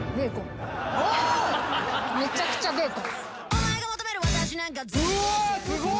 めちゃくちゃベーコン。